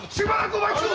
お待ちを！